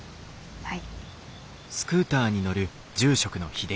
はい。